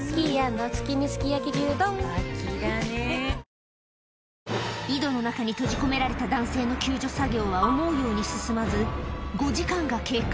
「トリプルバリア」井戸の中に閉じ込められた男性の救助作業は思うように進まず５時間が経過